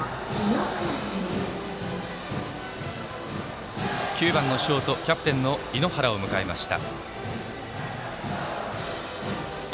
打席は９番のショートキャプテンの猪原を迎えました。